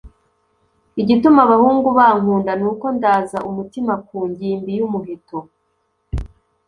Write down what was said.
Igituma abahungu bankunda nuko ndaza umutima ku ngimbi y’umuheto